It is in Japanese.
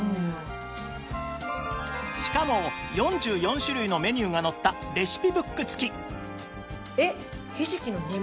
しかも４４種類のメニューが載ったレシピブック付きえっひじきの煮物？